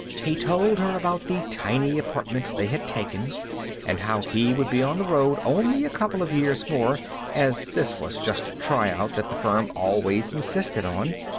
He told her about the tiny apartment they had taken, and how he would be on the road only a couple of years more, as this was just a try out that the firm always insisted on.